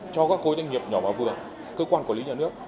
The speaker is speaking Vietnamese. cho các khối doanh nghiệp nhỏ và vừa cơ quan quản lý nhà nước